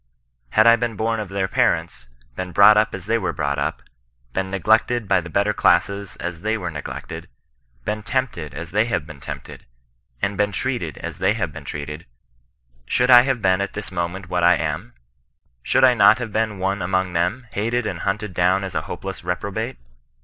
Had I been bom of their parents, been brought up as they were brought up, been ne glected by the better classes as they were neglected, becQ tempted as they have been tempted, and been treated as they have been treated, should I have been at this moment what I am 1 Should I not have been one among them, hated and hunted down as a hopeless reprobate